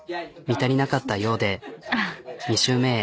見足りなかったようで２周目へ。